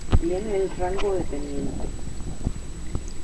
Tiene el rango de teniente.